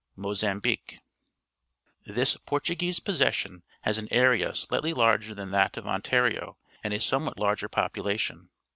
. MOZAMBIQUE Ir^^^ This Portuguese possession has an area slightly larger than that of Ontario and a somewhat larger population.